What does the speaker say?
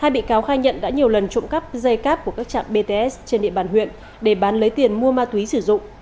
hai bị cáo khai nhận đã nhiều lần trộm cắp dây cáp của các trạm bts trên địa bàn huyện để bán lấy tiền mua ma túy sử dụng